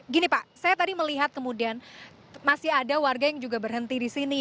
gini pak saya tadi melihat kemudian masih ada warga yang juga berhenti di sini